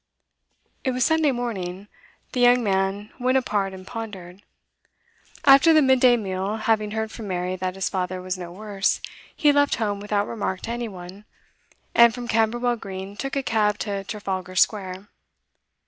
It was Sunday morning. The young man went apart and pondered. After the mid day meal, having heard from Mary that his father was no worse, he left home without remark to any one, and from Camberwell Green took a cab to Trafalgar Square.